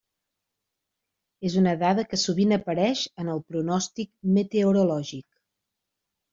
És una dada que sovint apareix en el pronòstic meteorològic.